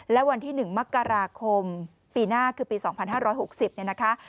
และวันที่๑มกราคมปีหน้าคือปี๒๕๖๐เนี่ยนะคะ